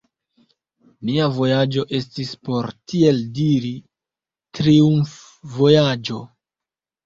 Mia vojaĝo estis, por tiel diri, triumfvojaĝo.